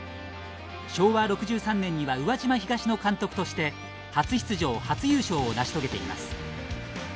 昭和６３年には宇和島東の監督として初出場初優勝を成し遂げています。